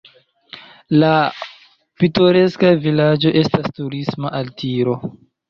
La pitoreska vilaĝo estas turisma altiro.